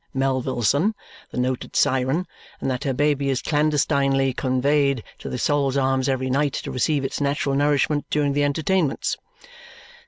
Melvilleson, the noted siren, and that her baby is clandestinely conveyed to the Sol's Arms every night to receive its natural nourishment during the entertainments.